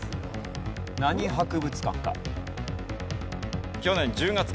何博物館か？